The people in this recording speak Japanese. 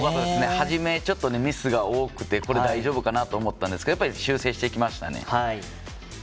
はじめちょっとミスが多くて大丈夫かなと思ったんですがやっぱり修正していきましたね。